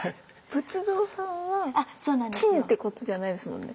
仏像さんは金ってことじゃないですもんね。